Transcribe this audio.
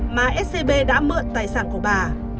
mà scb đã mượn tài sản của bà